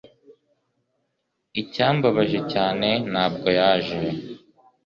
Icyambabaje cyane ntabwo yaje